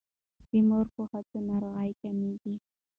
د مور په هڅو ناروغۍ کمیږي.